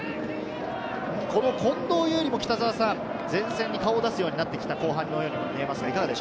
この近藤侑璃も、前線に顔を出すようになってきた後半に見えますが。